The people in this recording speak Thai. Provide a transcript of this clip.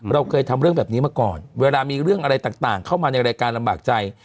เราเคยทำเรื่องแบบนี้มาก่อนเวลามีเรื่องอะไรต่างเข้ามาในรายการลำบากใจ